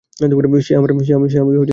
সে আমার কলেজের।